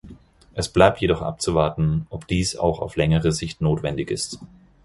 Es bleibt jedoch abzuwarten, ob dies auch auf längere Sicht notwendig ist.